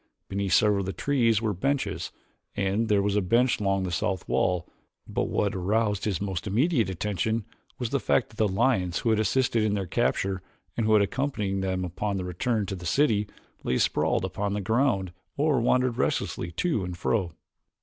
Beneath several of the trees were benches and there was a bench along the south wall, but what aroused his most immediate attention was the fact that the lions who had assisted in their capture and who had accompanied them upon the return to the city, lay sprawled about upon the ground or wandered restlessly to and fro.